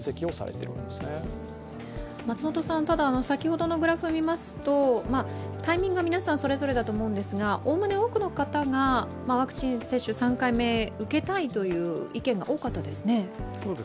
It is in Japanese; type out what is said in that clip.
先ほどのグラフを見ますとタイミングは皆さんそれぞれだと思うんですがおおむね、多くの方がワクチン接種３回目を受けたいという方の意見が多かったですね。